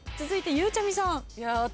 続いてゆうちゃみさん。